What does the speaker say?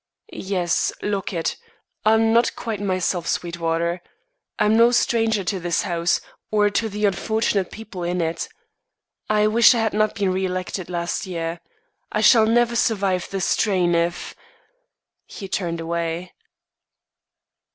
"Yes, lock it. I'm not quite myself, Sweetwater. I'm no stranger to this house, or to the unfortunate young people in it. I wish I had not been re elected last year. I shall never survive the strain if " He turned away.